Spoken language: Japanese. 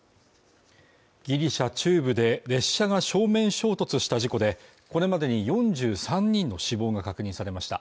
ギリシャ中部で列車が正面衝突した事故で、これまでに４３人の死亡が確認されました。